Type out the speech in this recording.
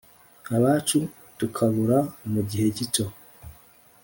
abacu tukabura mugihe gito